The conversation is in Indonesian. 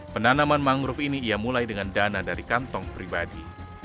penanaman mangrove ini ia mulai dengan dana dari kantong pribadi